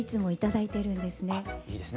いいですね